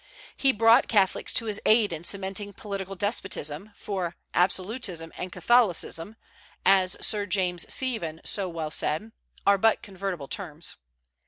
He brought Catholics to his aid in cementing political despotism, for "Absolutism and Catholicism," as Sir James Stephen so well said, "are but convertible terms."